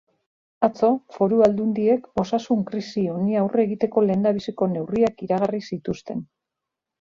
Atzo, foru aldundiek osasun krisi honi aurre egiteko lehendabiziko neurriak iragarri zituzten.